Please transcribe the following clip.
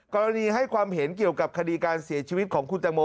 กรณีให้ความเห็นเกี่ยวกับคดีการเสียชีวิตของคุณตังโม